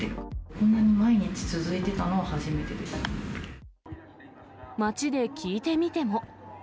こんなに毎日続いていたのは初め街で聞いてみても。